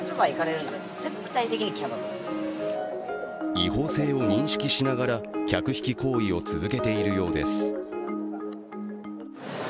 違法性を認識しながら客引き行為を続けているようです。